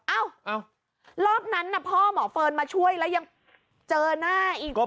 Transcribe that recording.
เอ้ารอบนั้นน่ะพ่อหมอเฟิร์นมาช่วยแล้วยังเจอหน้าอีก